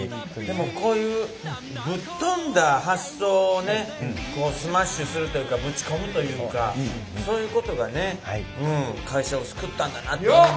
でもこういうぶっ飛んだ発想をねスマッシュするというかぶち込むというかそういうことがね会社を救ったんだなって思います。